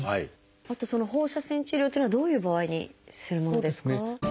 あとその放射線治療っていうのはどういう場合にするものですか？